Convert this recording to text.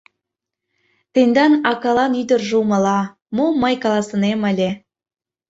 — Тендан акалан ӱдыржӧ умыла, мом мый каласынем ыле.